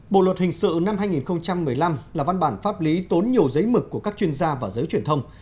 bộ luật hình sự năm hai nghìn một mươi năm là văn bản pháp lý tốn nhiều giấy mực của các chuyên gia và giới truyền thông